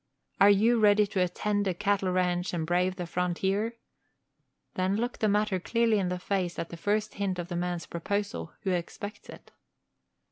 Are you ready to attend a cattle ranch and brave the frontier? Then look the matter clearly in the face at the first hint of the man's proposal who expects it.